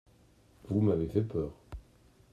Vous m’avez fait peur.